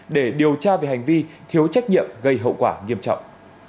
để điều tra về hành vi thiếu trách nhiệm gây hậu quả nghiêm trọng